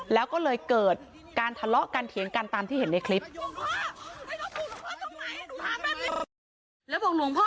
แล้วก็เลยเกิดการทะเลาะกันเถียงกันตามที่เห็นในคลิป